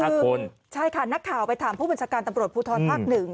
คือใช่ค่ะนักข่าวไปถามผู้บริษักรรมตำรวจภูทรภักดิ์หนึ่ง